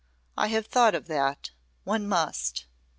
I have thought of that. One must."